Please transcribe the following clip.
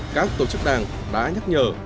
các tổ chức đảng đã nhắc nhở